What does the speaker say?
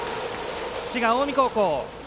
滋賀、近江高校。